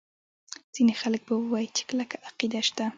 ځیني خلک به ووایي چې کلکه عقیده شته.